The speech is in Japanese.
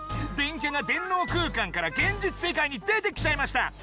電キャが電脳空間から現実世界に出てきちゃいました。